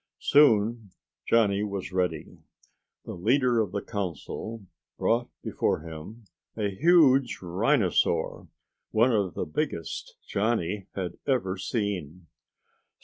Soon Johnny was ready. The leader of the council brought before him a huge rhinosaur, one of the biggest Johnny had ever seen.